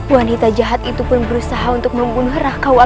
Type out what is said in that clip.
wanita jahat itu pun berusaha untuk membunuh r discarded